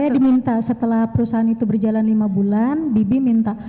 saya diminta setelah perusahaan itu berjalan lima bulan bibi minta